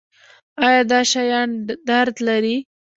ایا دا شیان درد لري؟